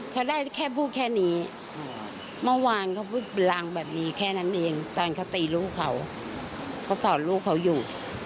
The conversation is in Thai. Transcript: เขาได้แค่พูดแค่นี้เมื่อวานเขาพูดรางแบบนี้แค่นั้นเองตอนเขาตีลูกเขาเขาสอนลูกเขาอยู่